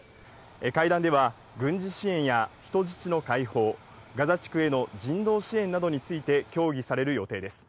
会談では、軍事支援や人質の解放、ガザ地区への人道支援などについて協議される予定です。